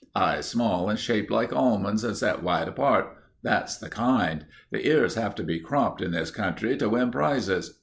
Eyes small and shaped like almonds, and set wide apart. That's the kind. The ears have to be cropped in this country to win prizes.